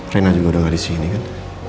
rina juga udah gak disini kan